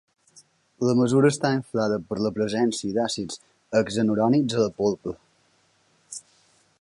La mesura està inflada per la presència d'àcids hexenurònics a la polpa.